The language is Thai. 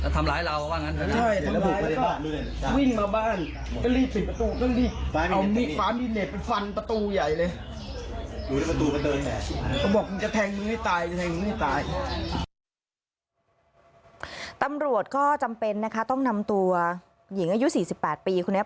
ตำรวจก็จำเป็นนะคะต้องนำตัวหญิงอายุ๔๘ปีคนนี้